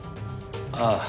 ああ。